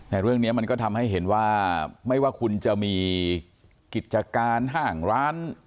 แต่เรื่องนี้มันก็ทำให้เห็นว่าไม่ว่าคุณจะมีกิจการห้างร้าน